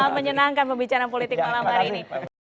menyenangkan pembicaraan politik malam hari ini